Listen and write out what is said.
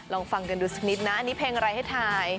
ลองฟังกันดูสักนิดนะอันนี้เพลงอะไรให้ถ่าย